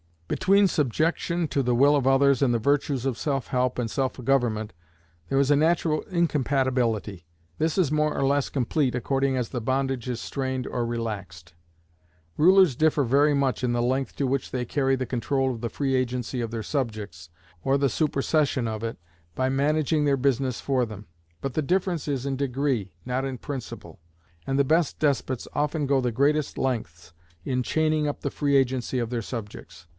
Between subjection to the will of others and the virtues of self help and self government there is a natural incompatibility. This is more or less complete according as the bondage is strained or relaxed. Rulers differ very much in the length to which they carry the control of the free agency of their subjects, or the supersession of it by managing their business for them. But the difference is in degree, not in principle; and the best despots often go the greatest lengths in chaining up the free agency of their subjects.